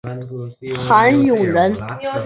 韩永人。